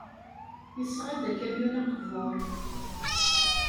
Yesɣa-d akamyun aqbur.